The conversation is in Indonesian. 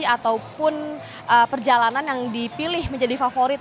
ataupun perjalanan yang dipilih menjadi favorit